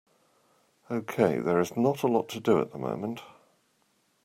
Okay, there is not a lot to do at the moment.